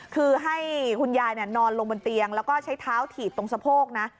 คือให้คุณยายนอนลงบนเตียงแล้วก็ใช้เท้าถีบตรงสะโพกนะ